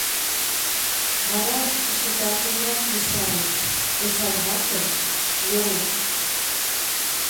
— Вара чыталтенрак ешарыш: — Эчан вате, Веруш.